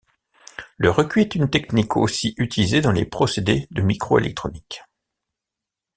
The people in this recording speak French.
Le recuit est une technique aussi utilisée dans les procédés de micro-électronique.